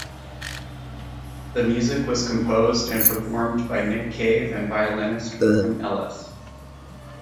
The music was composed and performed by Nick Cave and violinist Warren Ellis.